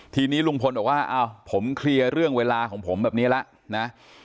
ทีนี้ลุงพลบอกว่าอ้าวผมเคลียร์เรื่องเวลาของผมแบบนี้แล้วนะ